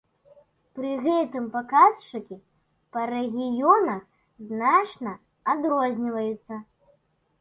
Пры гэтым паказчыкі па рэгіёнах значна адрозніваюцца.